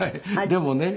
でもね